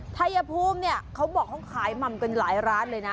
ชัยภูมิเนี่ยเขาบอกเขาขายหม่ำกันหลายร้านเลยนะ